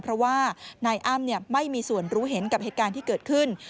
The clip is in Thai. เพราะว่านายอ้ำไม่มีส่วนรู้เห็นกับเหตุการณ์ที่เกิดขึ้น